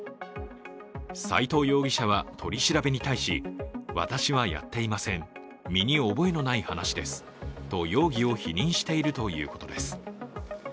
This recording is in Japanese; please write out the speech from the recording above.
斉藤容疑者は取り調べに対し、私はやっていません、身に覚えのない話ですと容疑を否認しているということです。